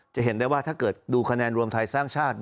จะเห็นได้ว่าถ้าเกิดดูคะแนนรวมไทยสร้างชาติ